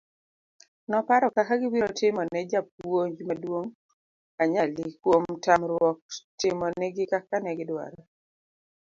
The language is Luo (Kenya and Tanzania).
noparo kaka gibiro timone japuonj maduong' anyali kuom tamruok timo nigi kaka negidwaro